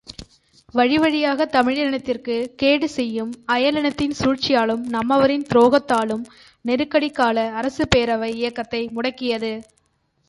வழிவழியாகத் தமிழினத்திற்கு கேடுசெய்யும் அயலினத்தின் சூழ்ச்சியாலும் நம்மவரின் துரோகத்தாலும் நெருக்கடிகால அரசு பேரவை இயக்கத்தை முடக்கியது.